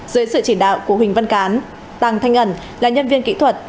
dưới sự chỉ đạo của huỳnh văn cán tăng thanh ẩn là nhân viên kỹ thuật